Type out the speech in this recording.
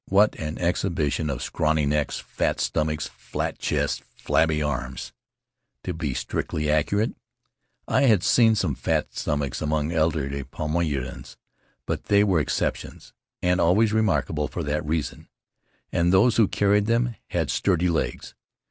What an exhibition of scrawny necks, fat stomachs, flat chests, flabby arms! To be strictly accurate, I had seen some fat stomachs among elderly Paumotuans, but they were exceptions, and always remarkable for that reason. And those who carried them had sturdy legs.